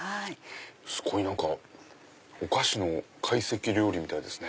すごい何かお菓子の懐石料理みたいですね。